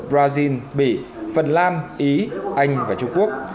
brazil mỹ phần lan ý anh và trung quốc